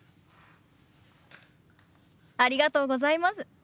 ありがとうございます。